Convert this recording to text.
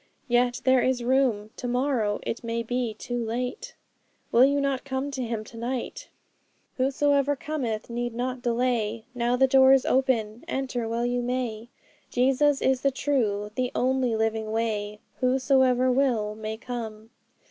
Yet there is room; to morrow it may be too late! 'Will you not come to Him to night? '"Whosoever cometh need not delay; Now the door is open: enter while you may; Jesus is the true, the only living way; Whosoever will may come.